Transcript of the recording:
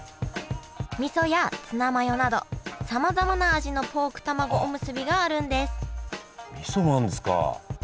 みそやツナマヨなどさまざまな味のポークたまごおむすびがあるんですみそもあるんですか。